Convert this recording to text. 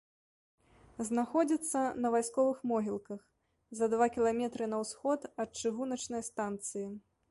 Знаходзіцца на вайсковых могілках, за два кіламетры на ўсход ад чыгуначнай станцыі.